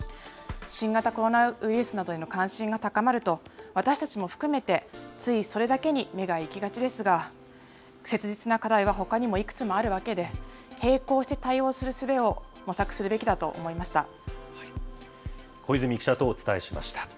新型コロナウイルスなどへの関心が高まると、私たちも含めて、ついそれだけに目が行きがちですが、切実な課題はほかにもいくつもあるわけで、並行して対応するすべ小泉記者とお伝えしました。